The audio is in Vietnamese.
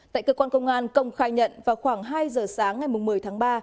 tại cơ quan công an công khai nhận vào khoảng hai giờ sáng ngày một mươi tháng ba